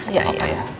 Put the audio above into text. gak apa apa ya